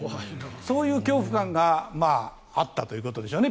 そういう恐怖感があったということでしょうね。